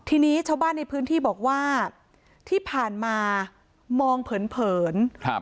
ทีนี้ชาวบ้านในพื้นที่บอกว่าที่ผ่านมามองเผินเผินครับ